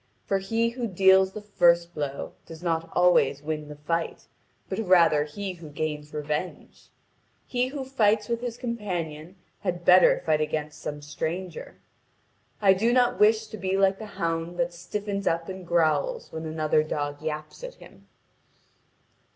For he who deals the first blow does not always win the fight, but rather he who gains revenge. He who fights with his companion had better fight against some stranger. I do not wish to be like the hound that stiffens up and growls when another dog yaps at him."